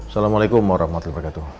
salamualaikum warahmatullahi wabarakatuh